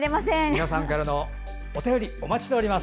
皆さんからのお便りお待ちしています。